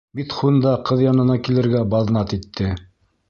Митхун да ҡыҙ янына килергә баҙнат итте.